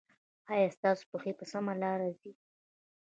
ایا ستاسو پښې په سمه لار ځي؟